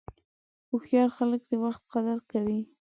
هوښیار خلک د وخت قدر کوي.